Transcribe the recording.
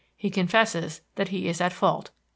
He confesses that he is at fault.